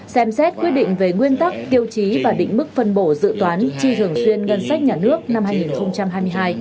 xem xét quyết định về nguyên tắc tiêu chí và định mức phân bổ dự toán chi thường xuyên ngân sách nhà nước năm hai nghìn hai mươi hai